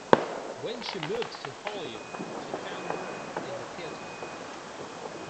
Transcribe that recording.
When she moved to Hollywood, she found work in the theater.